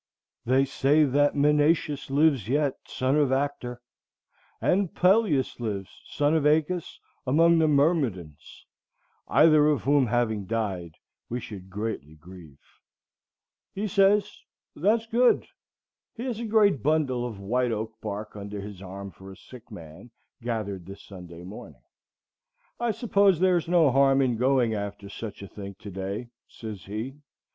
They say that Menœtius lives yet, son of Actor, And Peleus lives, son of Æacus, among the Myrmidons, Either of whom having died, we should greatly grieve." He says, "That's good." He has a great bundle of white oak bark under his arm for a sick man, gathered this Sunday morning. "I suppose there's no harm in going after such a thing to day," says he.